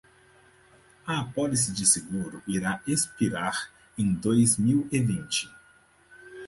A apólice de seguro irá expirar em dois mil e vinte.